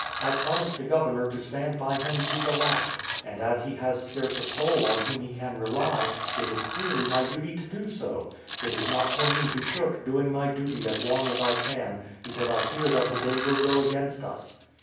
"I promised the governor to stand by him to the last; and as he has scarce a soul on whom he can rely, it is clearly my duty to do so. It is not for me to shirk doing my duty as long as I can, because I fear that the day will go against us."